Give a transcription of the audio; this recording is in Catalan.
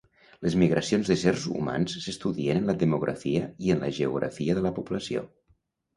Les migracions d'éssers humans s'estudien en la demografia i en la geografia de la població.